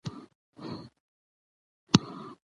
نایلې په کتابچه کې یو ډېر ښایسته زړه رسم و،